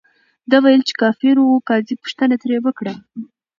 ده ویل، چې کافر ؤ. قاضي پوښتنه ترې وکړه،